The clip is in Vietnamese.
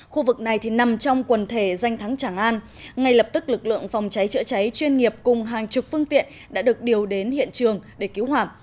khu vực này nằm trong quần thể danh thắng tràng an ngay lập tức lực lượng phòng cháy chữa cháy chuyên nghiệp cùng hàng chục phương tiện đã được điều đến hiện trường để cứu hỏa